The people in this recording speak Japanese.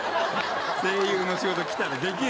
声優の仕事来たらできる？